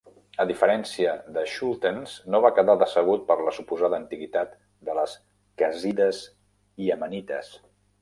A diferència de Schultens, no va quedar decebut per la suposada antiguitat de les "Kasidas" iemenites.